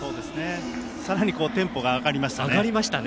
さらにテンポが上がりましたね。